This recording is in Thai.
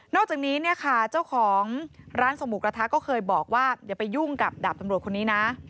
อกจากนี้เนี่ยค่ะเจ้าของร้านส่งหมูกระทะก็เคยบอกว่าอย่าไปยุ่งกับดาบตำรวจคนนี้นะ